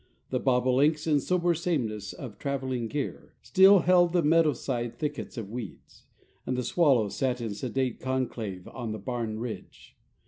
The bobolinks, in sober sameness of traveling gear, still held the meadowside thickets of weeds; and the swallows sat in sedate conclave on the barn ridge.